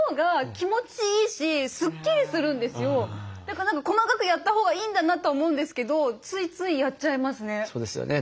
だから何か細かくやったほうがいいんだなと思うんですけどついついやっちゃいますね。